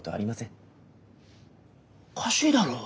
おかしいだろ。